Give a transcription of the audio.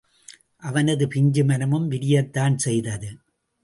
அவனது பிஞ்சு மனமும் விரியத்தான் செய்தது.